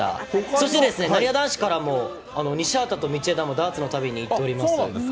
そしてなにわ男子からも、西畑と道枝もダーツの旅に行っております。